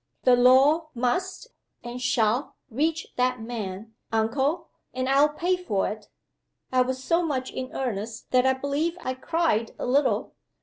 The law must, and shall, reach that man, uncle and I'll pay for it!' I was so much in earnest that I believe I cried a little.